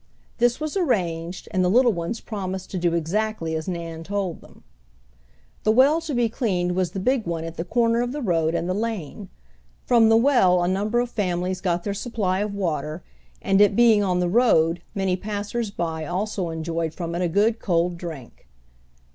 This was arranged, and the little ones promised to do exactly as Nan told them. The well to be cleaned was the big one at the corner of the road and the lane. From the well a number of families got their supply of water, and it being on the road many passersby also enjoyed from it a good cold drink.